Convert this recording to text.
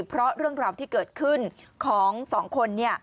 เพราะเรื่องราวที่เกิดขึ้นของสองคน